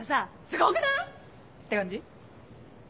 すごくない？って感じ？